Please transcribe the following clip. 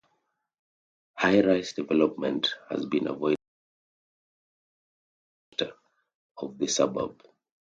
High-rise development has been avoided, maintaining the heritage character of the suburb.